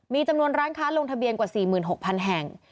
มีจำนวนร้านค้าลงทะเบียนกว่า๔๖๐๐๐แห่ง